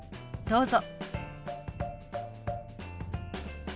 どうぞ。